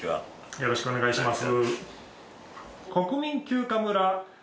よろしくお願いします。